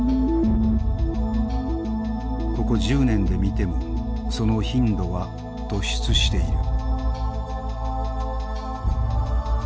ここ１０年で見てもその頻度は突出している。